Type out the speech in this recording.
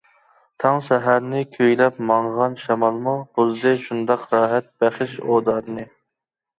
تاڭ سەھەرنى كۈيلەپ ماڭغان شامالمۇ، بۇزدى شۇنداق راھەتبەخش ئۇدارنى.